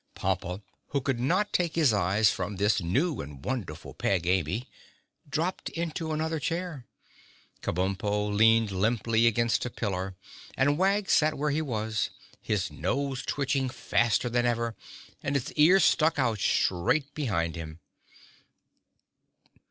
Pompa, who could not take his eyes from this new and wonderful Peg Amy, dropped into another chair. Kabumpo leaned limply against a pillar and Wag sat where he was, his nose twitching faster than ever and his ears stuck out straight behind him.